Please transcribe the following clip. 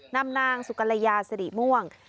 นำนางสุกรยาสิริม่วง